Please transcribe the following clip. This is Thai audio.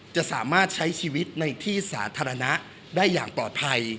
จะสามารถใช้ชีวิตในที่สาธารณะได้อย่างปลอดภัย